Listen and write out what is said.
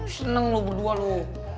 seneng lu berdua lu